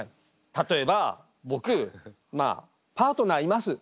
例えば僕まあパートナーいます。